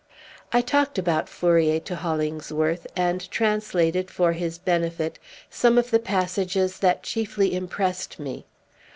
I talked about Fourier to Hollingsworth, and translated, for his benefit, some of the passages that chiefly impressed me.